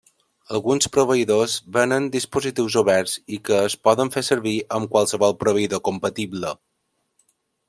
Alguns proveïdors venen dispositius oberts i que es poden fer servir amb qualsevol proveïdor compatible.